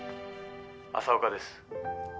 浅岡です。